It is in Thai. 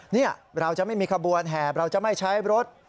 นี่เราจะไม่มีขบวนแหบเราจะไม่ใช้รถ